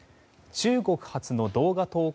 中国発の動画投稿